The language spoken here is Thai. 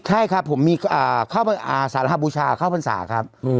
ใช่ครับผมมีเข้าสารหาบูชาเข้าพรรษาครับ